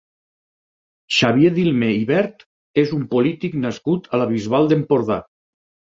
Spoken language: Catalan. Xavier Dilmé i Vert és un polític nascut a la Bisbal d'Empordà.